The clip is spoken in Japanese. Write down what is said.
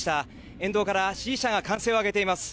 沿道から支持者が歓声を上げています。